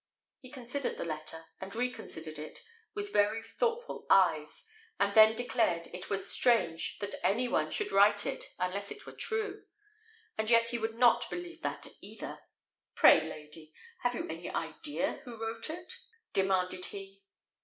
He considered the letter, and reconsidered it, with very thoughtful eyes, and then declared it was strange that any one should write it unless it were true; and yet he would not believe that either. "Pray, lady, have you any idea who wrote it?" demanded he.